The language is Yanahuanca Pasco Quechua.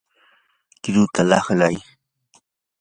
qiruta laqlay.